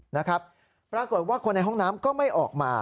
นะครับปรากฏว่าคนในห้องน้ำก็ไม่ออกมา